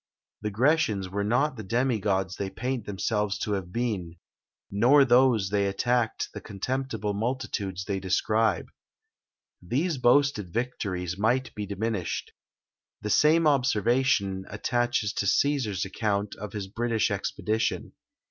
The Grecians were not the demi gods they paint themselves to have been, nor those they attacked the contemptible multitudes they describe. These boasted victories might be diminished. The same observation attaches to Cæsar's account of his British expedition.